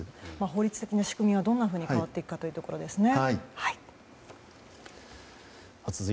法律的な仕組みがどう変わっていくかということですね。